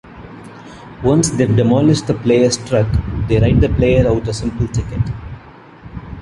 Once they've demolished the player's truck, they write the player out a simple ticket.